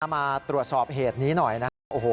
มาตรวจสอบเหตุนี้หน่อยนะครับ